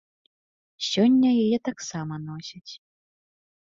Сёння яе таксама носяць.